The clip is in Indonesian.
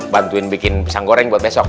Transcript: bantuin bikin pisang goreng buat besok